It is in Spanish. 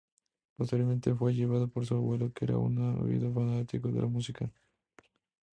Posteriormente, fue llevado por su abuelo, que era un ávido fanático de la música.